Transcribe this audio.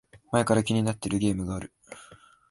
前から気になってるゲームがある